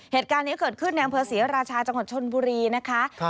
เหตุการณ์นี้เกิดขึ้นในอำเภอศรีราชาจังหวัดชนบุรีนะคะ